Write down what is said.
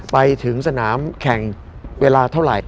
ไปถึงสนามแข่งเวลาเท่าไหร่